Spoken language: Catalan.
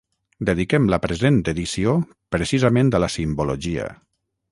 dediquem la present edició precisament a la simbologia